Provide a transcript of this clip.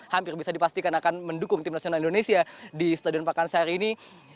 hampir bisa dipastikan akan mendukung tim nasional indonesia di stadion pakansari ini